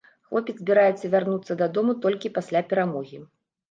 Хлопец збіраецца вярнуцца дадому толькі пасля перамогі.